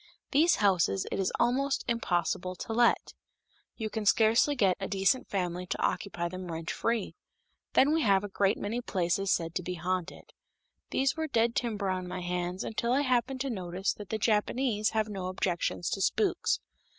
These houses it is almost impossible to let; you can scarcely get a decent family to occupy them rent free. Then we have a great many places said to be haunted. These were dead timber on my hands until I happened to notice that the Japanese have no objections to spooks.